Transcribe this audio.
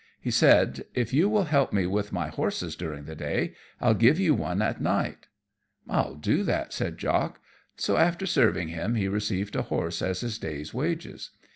He said, "If you will help me with my horses during the day, I'll give you one at night." "I'll do that," said Jock. So after serving him he received a horse as his day's wages.